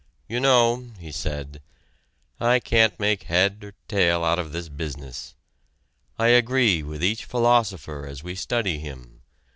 "You know," he said, "I can't make head or tail out of this business. I agree with each philosopher as we study him.